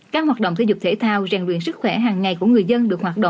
các hoạt động thể dục thể thao rèn luyện sức khỏe hàng ngày của người dân